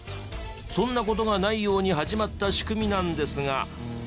そんな事がないように始まった仕組みなんですが。